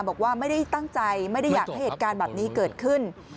บอกว่าไม่ได้ตั้งใจไม่ได้อยากให้เหตุการณ์แบบนี้เกิดขึ้น